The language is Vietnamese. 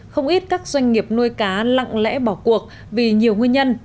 không ít các doanh nghiệp nuôi cá lặng lẽ bỏ cuộc vì nhiều nguyên nhân